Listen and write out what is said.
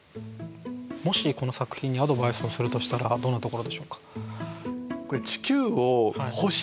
もしこの作品にアドバイスをするとしたらどんなところでしょうか。